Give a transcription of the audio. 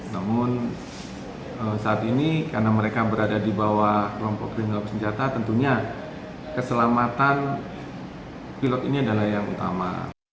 namun saat ini karena mereka berada di bawah kelompok kriminal bersenjata tentunya keselamatan pilot ini adalah yang utama